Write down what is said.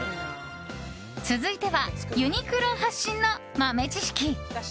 続いては、ユニクロ発信の豆知識。